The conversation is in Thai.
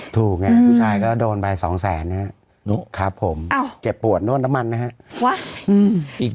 ถูกไงของผู้ชายก็โดนแบบ๒แสนครับผมเจ็บปวดโน่นตะมันนะครับ